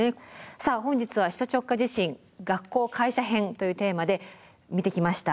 さあ本日は「首都直下地震学校・会社編」というテーマで見てきました。